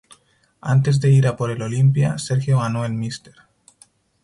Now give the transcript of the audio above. Antes de ir a por el Olympia, Sergio ganó el Mr.